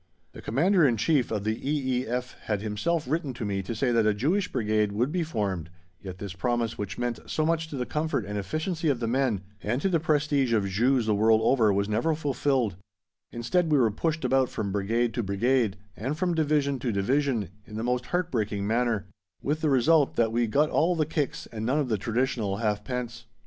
The Commander in Chief of the E.E.F. had himself written to me to say that a Jewish Brigade would be formed, yet this promise, which meant so much to the comfort and efficiency of the men and to the prestige of Jews the world over, was never fulfilled; instead, we were pushed about from Brigade to Brigade and from Division to Division in the most heart breaking manner, with the result that we got all the kicks and none of the traditional halfpence!